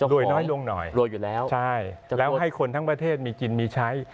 รวยน้อยลงหน่อยใช่แล้วให้คนทั้งประเทศมีจินมีใช้